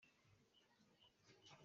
Lam kha aa nawng dih.